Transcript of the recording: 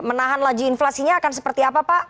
menahan laju inflasinya akan seperti apa pak